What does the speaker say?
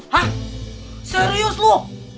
hah serius lu